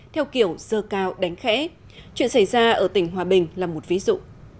theo kiểu dơ cao đánh khẽ chuyện xảy ra ở tỉnh hòa bình là một ví dụ